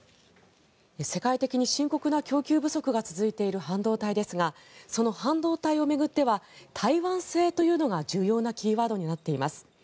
世界的に深刻な供給不足が続いている半導体ですがその半導体を巡っては台湾製というのが重要なキーワードになっています。